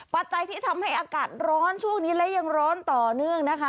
ปัจจัยที่ทำให้อากาศร้อนช่วงนี้และยังร้อนต่อเนื่องนะคะ